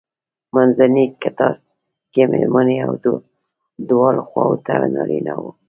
منځنی کتار کې مېرمنې او دواړو خواوو ته نارینه وو.